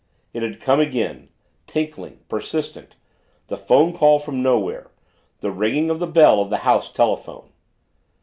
It had come again tinkling persistent. the phone call from nowhere the ringing of the bell of the house telephone!